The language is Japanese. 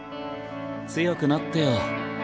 強くなってよ。